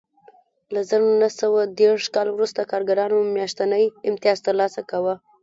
له زر نه سوه دېرش کال وروسته کارګرانو میاشتنی امتیاز ترلاسه کاوه